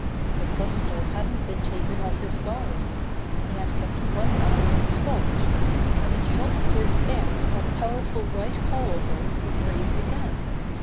But Buster hadn't been taken off his guard. He had kept one eye on Spot, and when he shot through the air that powerful right paw of his was raised again.